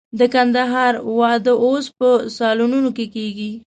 د کندهار واده اوس په سالونونو کې کېږي.